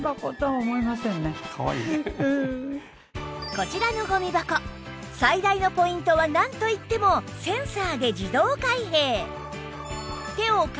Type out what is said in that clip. こちらのゴミ箱最大のポイントはなんといってもセンサーで自動開閉